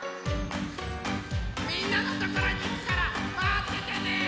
みんなのところにいくからまっててね！